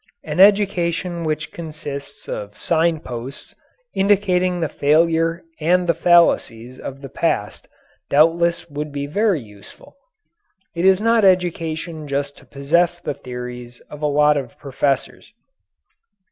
An education which consists of signposts indicating the failure and the fallacies of the past doubtless would be very useful. It is not education just to possess the theories of a lot of professors.